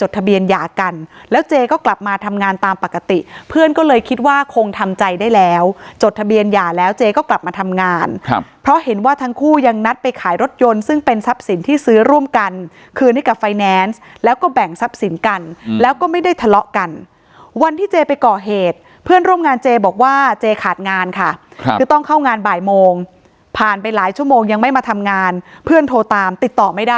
จดทะเบียนหย่าแล้วเจก็กลับมาทำงานเพราะเห็นว่าทั้งคู่ยังนัดไปขายรถยนต์ซึ่งเป็นทรัพย์สินที่ซื้อร่วมกันคือนี้กับไฟแนนซ์แล้วก็แบ่งทรัพย์สินกันแล้วก็ไม่ได้ทะเลาะกันวันที่เจไปก่อเหตุเพื่อนร่วมงานเจบอกว่าเจขาดงานค่ะต้องเข้างานบ่ายโมงผ่านไปหลายชั่วโมงยังไม่มาทำงานเพื่อนโทรตามต